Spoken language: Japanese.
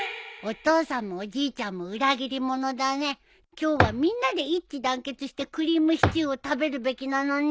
今日はみんなで一致団結してクリームシチューを食べるべきなのに！